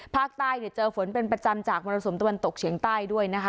ภาคใต้เนี่ยเจอฝนเป็นประจำจากมรสุมตะวันตกเฉียงใต้ด้วยนะคะ